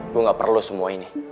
gue gak perlu semua ini